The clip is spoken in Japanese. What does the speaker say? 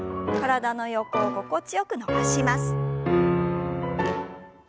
体の横を心地よく伸ばします。